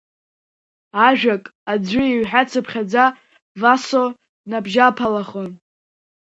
Ажәак аӡәы иҳәацыԥхьаӡа, Васо днаԥжьаԥалахуан.